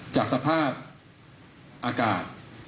จากสภาพอากาศ